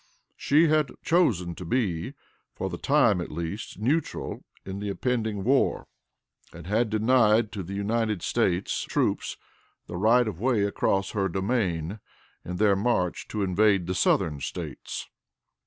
She had chosen to be, for the time at least, neutral in the impending war, and had denied to the United States troops the right of way across her domain in their march to invade the Southern States.